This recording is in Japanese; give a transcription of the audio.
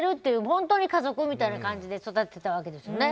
本当に家族みたいな感じで育ててたわけですよね。